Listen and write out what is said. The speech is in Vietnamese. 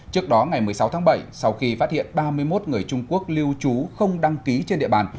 trước đó ngày một mươi sáu tháng bảy sau khi phát hiện ba mươi một người trung quốc lưu trú không đăng ký trên địa bàn